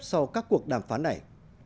sau các cuộc đàm phán này